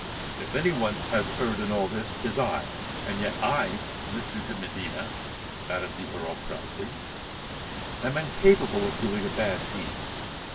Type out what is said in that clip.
If any one has erred in all this, 'tis I; and yet I, Mr. de Medina," added the Earl proudly, "am incapable of doing a bad deed.